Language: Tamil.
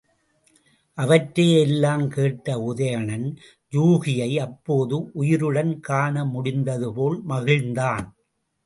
அவற்றை எல்லாம் கேட்ட உதயணன் யூகியை அப்போதே உயிருடன் காணமுடிந்ததுபோல மகிழ்ந்தான்.